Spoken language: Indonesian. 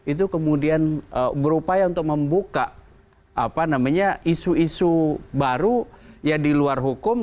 itu kemudian berupaya untuk membuka isu isu baru ya di luar hukum